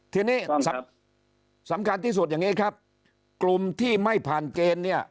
ทีนี้สำคัญที่สุดอย่างนี้ครับกลุ่มที่ไม่ผ่านเกณฑ์เนี่ย